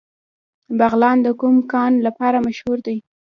بغلان د کوم کان لپاره مشهور دی؟